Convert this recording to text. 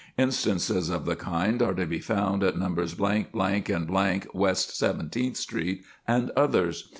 Instances of the kind are to be found at Nos. , and West Seventeenth Street, and others.